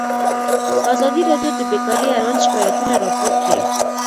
ازادي راډیو د بیکاري اړوند شکایتونه راپور کړي.